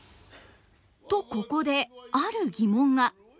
とここである疑問が。